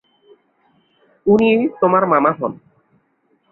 উনি তোমার মামা হন।